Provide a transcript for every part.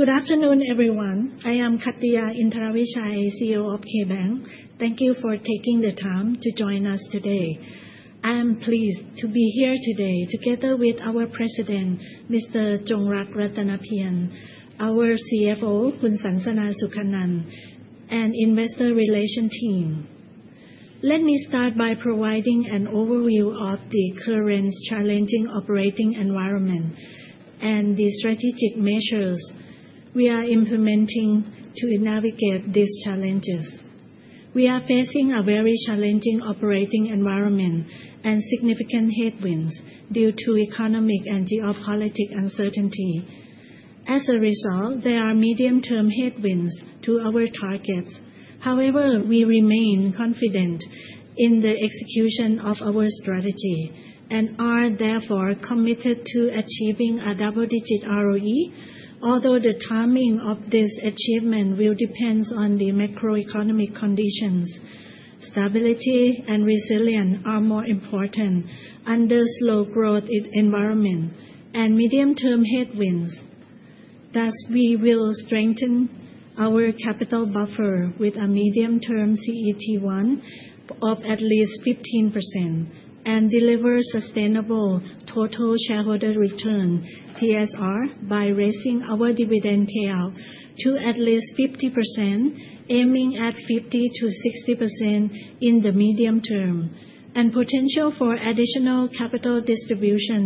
Good afternoon, everyone. I am Kattiya Indaravijaya, CEO of KBank. Thank you for taking the time to join us today. I am pleased to be here today together with our President, Mr. Chongrak Rattanapian, our CFO, Khun Sansana Sukhanunth, and the investor relations team. Let me start by providing an overview of the current challenging operating environment and the strategic measures we are implementing to navigate these challenges. We are facing a very challenging operating environment and significant headwinds due to economic and geopolitical uncertainty. As a result, there are medium-term headwinds to our targets. However, we remain confident in the execution of our strategy and are therefore committed to achieving a double-digit ROE, although the timing of this achievement will depend on the macroeconomic conditions. Stability and resilience are more important under a slow-growth environment and medium-term headwinds. Thus, we will strengthen our capital buffer with a medium-term CET1 of at least 15% and deliver sustainable total shareholder return (TSR) by raising our dividend payout to at least 50%, aiming at 50-60% in the medium term, and potential for additional capital distribution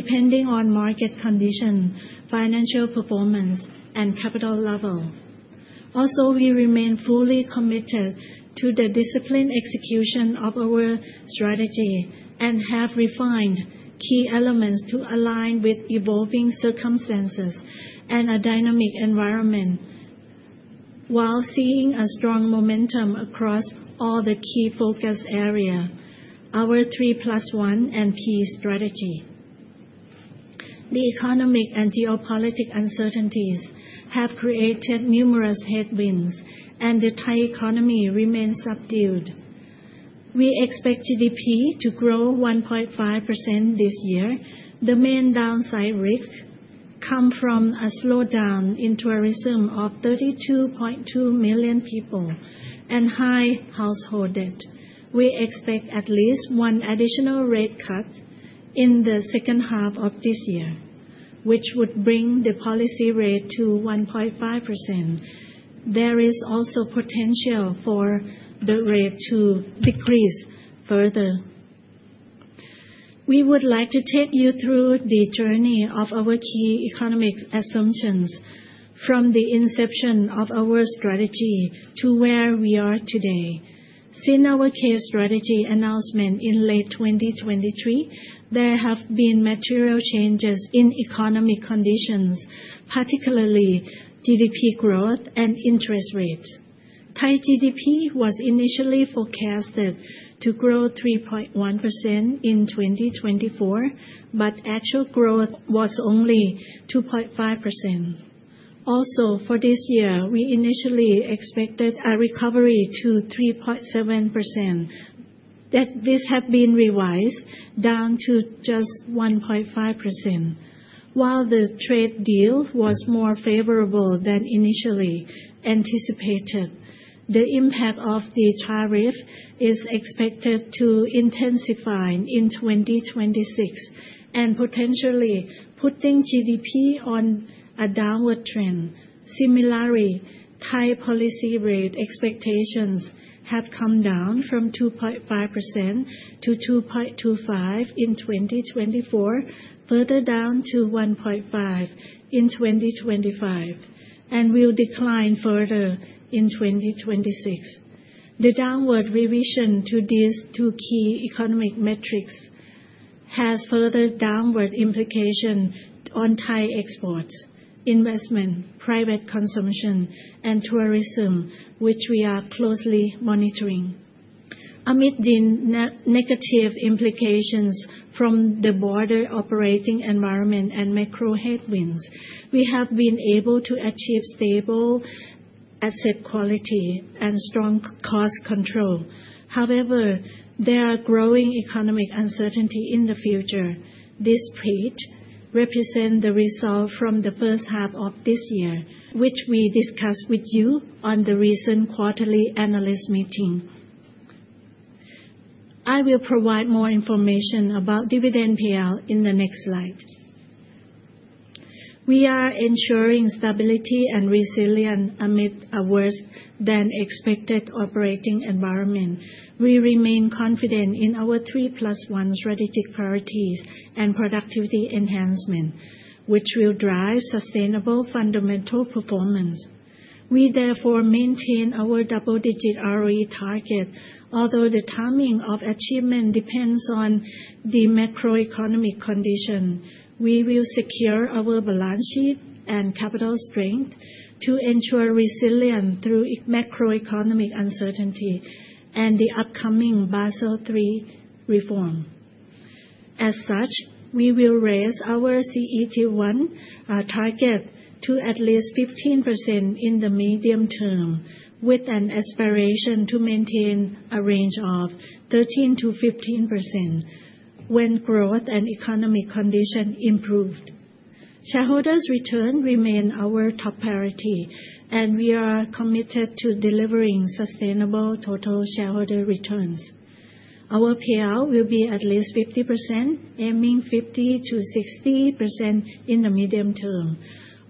depending on market conditions, financial performance, and capital level. Also, we remain fully committed to the disciplined execution of our strategy and have refined key elements to align with evolving circumstances and a dynamic environment while seeing a strong momentum across all the key focus areas: our 3+1 and PE strategy. The economic and geopolitical uncertainties have created numerous headwinds, and the Thai economy remains subdued. We expect GDP to grow 1.5% this year. The main downside risks come from a slowdown in tourism of 32.2 million people and high household debt. We expect at least one additional rate cut in the second half of this year, which would bring the policy rate to 1.5%. There is also potential for the rate to decrease further. We would like to take you through the journey of our key economic assumptions from the inception of our strategy to where we are today. Since our 3+1 Strategy announcement in late 2023, there have been material changes in economic conditions, particularly GDP growth and interest rates. Thai GDP was initially forecasted to grow 3.1% in 2024, but actual growth was only 2.5%. Also, for this year, we initially expected a recovery to 3.7%. This has been revised down to just 1.5%, while the trade deal was more favorable than initially anticipated. The impact of the tariff is expected to intensify in 2026 and potentially put GDP on a downward trend. Similarly, Thai policy rate expectations have come down from 2.5-2.25% in 2024, further down to 1.5% in 2025, and will decline further in 2026. The downward revision to these two key economic metrics has further downward implications on Thai exports, investment, private consumption, and tourism, which we are closely monitoring. Amid the negative implications from the broader operating environment and macro headwinds, we have been able to achieve stable asset quality and strong cost control. However, there are growing economic uncertainties in the future. This rate represents the result from the first half of this year, which we discussed with you on the recent quarterly analyst meeting. I will provide more information about dividend payout in the next slide. We are ensuring stability and resilience amid a worse-than-expected operating environment. We remain confident in our 3+1 strategic priorities and productivity enhancement, which will drive sustainable fundamental performance. We, therefore, maintain our double-digit ROE target. Although the timing of achievement depends on the macroeconomic conditions, we will secure our balance sheet and capital strength to ensure resilience through macroeconomic uncertainty and the upcoming Basel III reform. As such, we will raise our CET1 target to at least 15% in the medium term, with an aspiration to maintain a range of 13-15% when growth and economic conditions improve. Shareholders' returns remain our top priority, and we are committed to delivering sustainable total shareholder returns. Our payout will be at least 50%, aiming 50-60% in the medium term.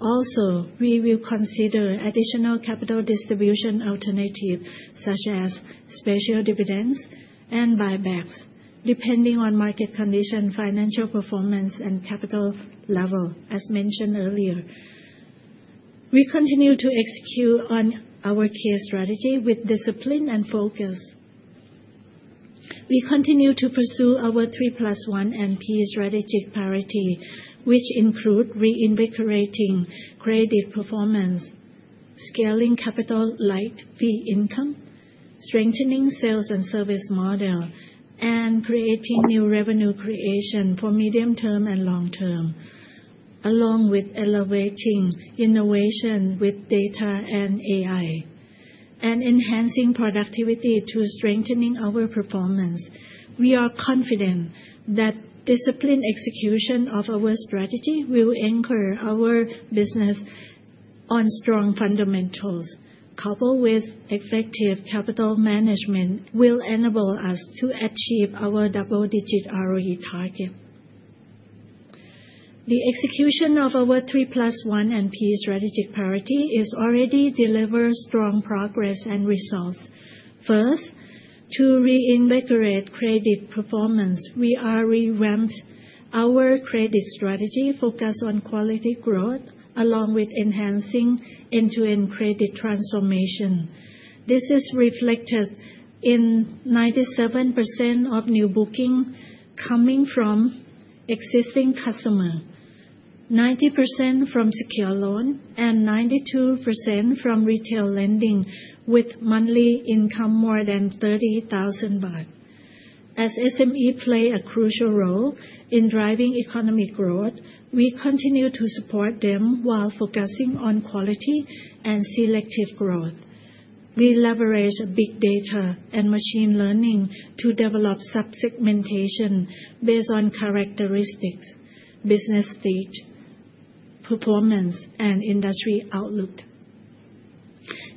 Also, we will consider additional capital distribution alternatives such as special dividends and buybacks, depending on market conditions, financial performance, and capital level, as mentioned earlier. We continue to execute on our K-ASEAN strategy with discipline and focus. We continue to pursue our 3+1 and PE strategic priorities, which include reinvigorating credit performance, scaling capital-lite fee income, strengthening sales and service models, and creating new revenue creation for medium term and long term, along with elevating innovation with data and AI, and enhancing productivity through strengthening our performance. We are confident that disciplined execution of our strategy will anchor our business on strong fundamentals. Coupled with effective capital management, it will enable us to achieve our double-digit ROE target. The execution of our 3+1 and PE strategic priorities has already delivered strong progress and results. First, to reinvigorate credit performance, we have revamped our credit strategy focused on quality growth, along with enhancing end-to-end credit transformation. This is reflected in 97% of new bookings coming from existing customers, 90% from secured loans, and 92% from retail lending with monthly income more than 30,000 baht. As SMEs play a crucial role in driving economic growth, we continue to support them while focusing on quality and selective growth. We leverage big data and machine learning to develop sub-segmentation based on characteristics, business stage, performance, and industry outlook.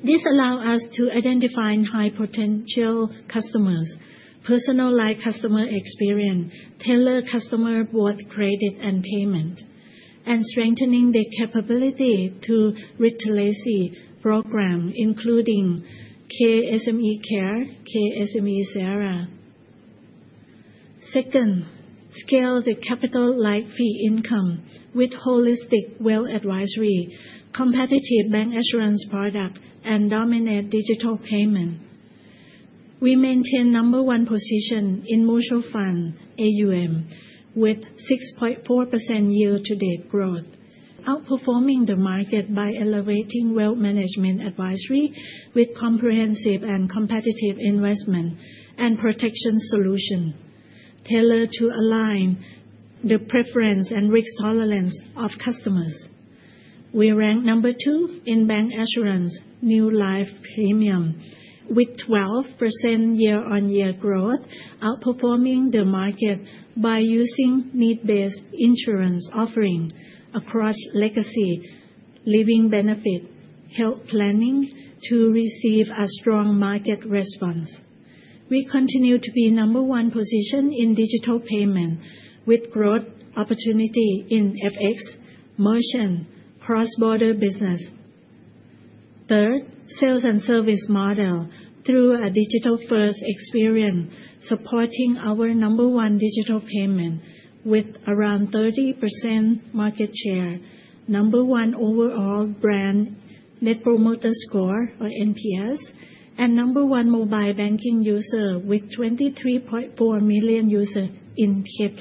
This allows us to identify high-potential customers, personalize customer experience, tailor customer growth, credit, and payment, and strengthen their capability through retail programs, including K SME Care and K SME Sierra. Second, we scale the capital-lite fee income with holistic wealth advisory, competitive bancassurance products, and dominant digital payments. We maintain number one position in mutual funds, AUM, with 6.4% year-to-date growth, outperforming the market by elevating wealth management advisory with comprehensive and competitive investment and protection solutions tailored to align the preference and risk tolerance of customers. We rank number two in bancassurance, new life premium, with 12% year-on-year growth, outperforming the market by using need-based insurance offerings across legacy, living benefits, and health planning to receive a strong market response. We continue to be number one position in digital payments with growth opportunities in FX, merchant, and cross-border business. Third, sales and service models through a digital-first experience support our number one digital payments with around 30% market share, number one overall brand Net Promoter Score (NPS), and number one mobile banking users with 23.4 million users in K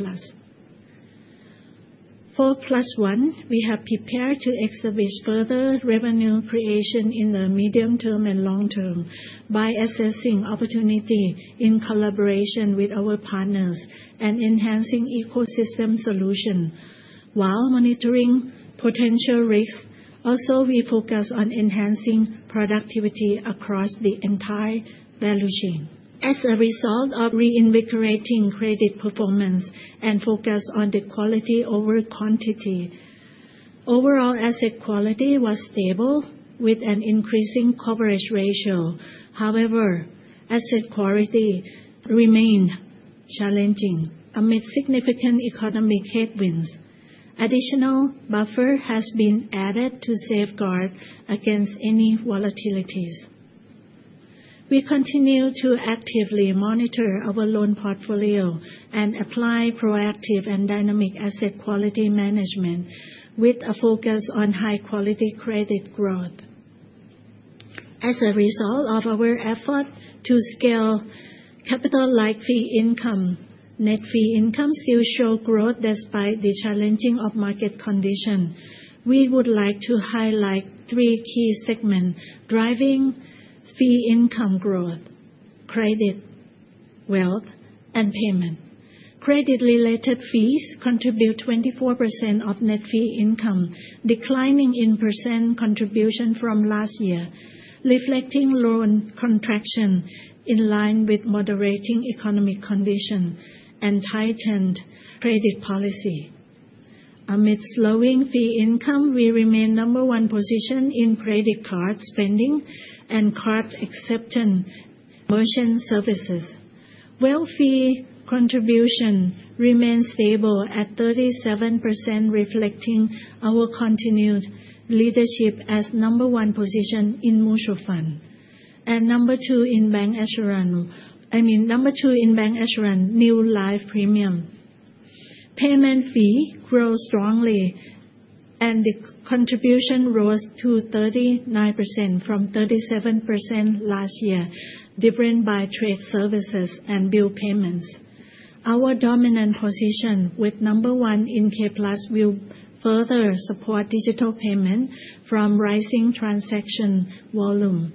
PLUS. For +1, we have prepared to exhibit further revenue creation in the medium term and long term by assessing opportunities in collaboration with our partners and enhancing ecosystem solutions. While monitoring potential risks, we also focus on enhancing productivity across the entire value chain. As a result of reinvigorating credit performance and focus on quality over quantity, overall asset quality was stable with an increasing coverage ratio. However, asset quality remained challenging amid significant economic headwinds. Additional buffer has been added to safeguard against any volatilities. We continue to actively monitor our loan portfolio and apply proactive and dynamic asset quality management with a focus on high-quality credit growth. As a result of our efforts to scale capital-like fee income, net fee income still shows growth despite the challenges of market conditions. We would like to highlight three key segments driving fee income growth: credit, wealth, and payments. Credit-related fees contribute 24% of net fee income, declining in percent contribution from last year, reflecting loan contraction in line with moderating economic conditions and tightened credit policy. Amid slowing fee income, we remain number one position in credit card spending and card acceptance merchant services. Wealth fee contribution remains stable at 37%, reflecting our continued leadership as number one position in mutual funds and number two in bancassurance, I mean, number two in bancassurance, new life premium. Payment fees grow strongly, and the contribution rose to 39% from 37% last year, driven by trade services and bill payments. Our dominant position, with number one in K PLUS, will further support digital payments from rising transaction volume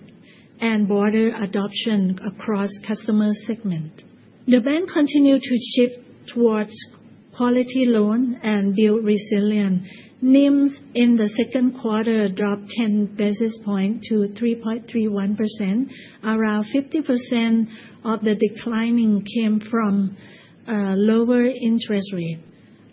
and broader adoption across customer segments. The bank continues to shift towards quality loans and build resilience. NIM in the second quarter dropped 10 basis points to 3.31%. Around 50% of the decline came from lower interest rates,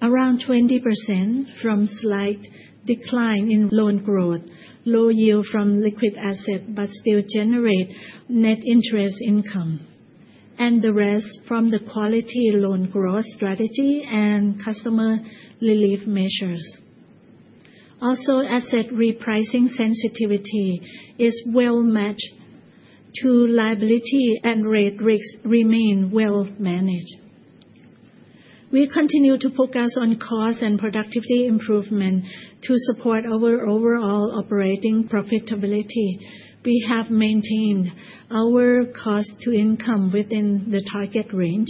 around 20% from slight decline in loan growth, low yield from liquid assets but still generating net interest income, and the rest from the quality loan growth strategy and customer relief measures. Also, asset repricing sensitivity is well matched to liability, and rate risks remain well managed. We continue to focus on cost and productivity improvements to support our overall operating profitability. We have maintained our cost-to-income within the target range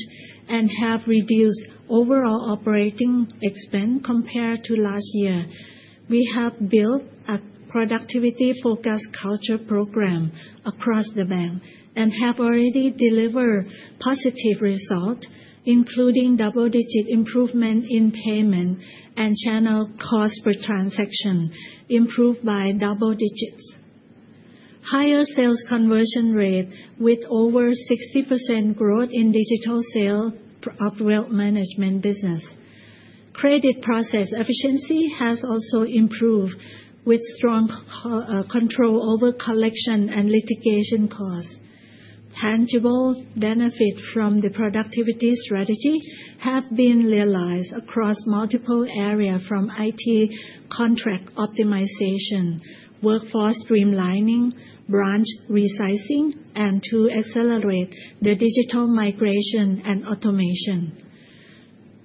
and have reduced overall operating expense compared to last year. We have built a productivity-focused culture program across the bank and have already delivered positive results, including double-digit improvements in payments and channel cost per transaction improved by double digits, higher sales conversion rates with over 60% growth in digital sales of wealth management businesses. Credit process efficiency has also improved with strong control over collection and litigation costs. Tangible benefits from the productivity strategy have been realized across multiple areas from IT contract optimization, workforce streamlining, branch resizing, and to accelerate the digital migration and automation.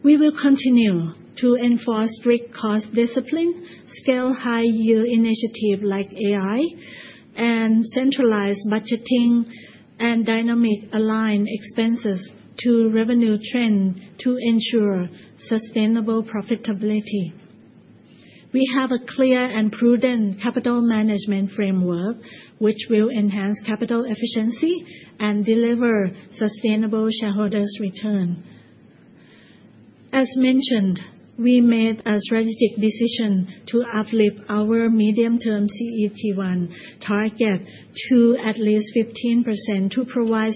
We will continue to enforce strict cost discipline, scale high-yield initiatives like AI, and centralize budgeting and dynamically align expenses to revenue trends to ensure sustainable profitability. We have a clear and prudent capital management framework, which will enhance capital efficiency and deliver sustainable shareholder returns. As mentioned, we made a strategic decision to uplift our medium-term CET1 target to at least 15% to provide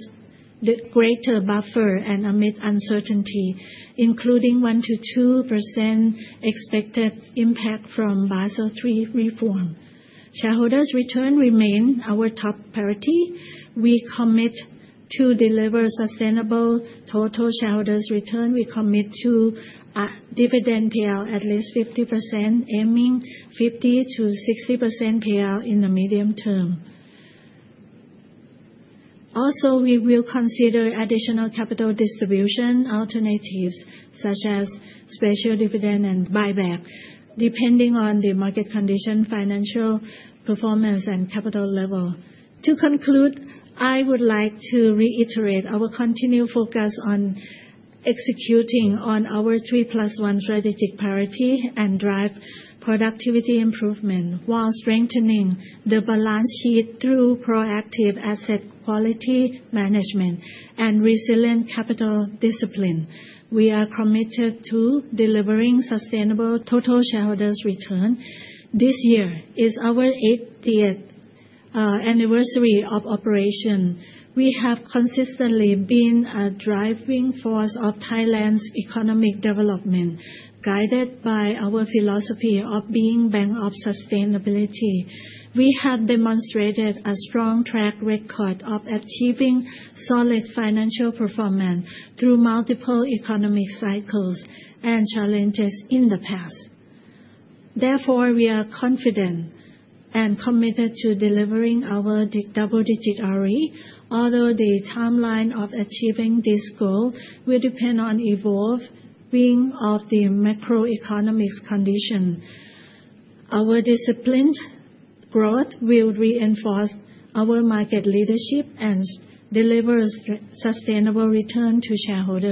a greater buffer amid uncertainty, including 1-2% expected impact from Basel III reform. Shareholders' returns remain our top priority. We commit to delivering sustainable total shareholders' returns. We commit to dividend payout at least 50%, aiming 50-60% payout in the medium term. Also, we will consider additional capital distribution alternatives such as special dividends and buybacks, depending on the market conditions, financial performance, and capital level. To conclude, I would like to reiterate our continued focus on executing on our 3+1 strategic priorities and driving productivity improvements while strengthening the balance sheet through proactive asset quality management and resilient capital discipline. We are committed to delivering sustainable total shareholders' returns. This year is our 80th anniversary of operations. We have consistently been a driving force of Thailand's economic development, guided by our philosophy of being a Bank of Sustainability. We have demonstrated a strong track record of achieving solid financial performance through multiple economic cycles and challenges in the past. Therefore, we are confident and committed to delivering our double-digit ROE, although the timeline of achieving this goal will depend on evolving the macroeconomic conditions. Our disciplined growth will reinforce our market leadership and deliver sustainable returns to shareholders.